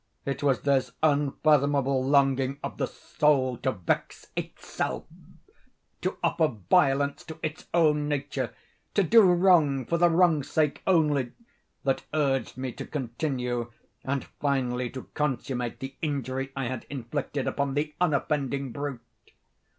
It was this unfathomable longing of the soul to vex itself—to offer violence to its own nature—to do wrong for the wrong's sake only—that urged me to continue and finally to consummate the injury I had inflicted upon the unoffending brute.